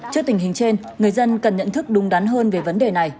trước tình hình trên người dân cần nhận thức đúng đắn hơn về vấn đề này